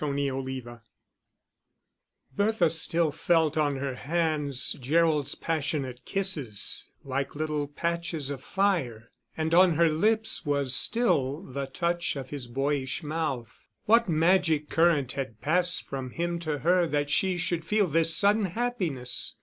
Chapter XXX Bertha still felt on her hands Gerald's passionate kisses, like little patches of fire; and on her lips was still the touch of his boyish mouth. What magic current had passed from him to her that she should feel this sudden happiness?